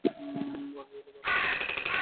আমি বললাম, আপনি কি নিশ্চিত যে দুটো চা-ই এক?